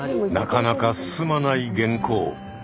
なかなか進まない原稿。